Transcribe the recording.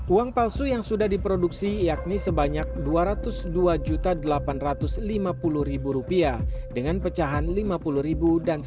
uang palsu yang sudah diproduksi yakni sebanyak dua ratus dua delapan ratus lima puluh dengan pecahan lima puluh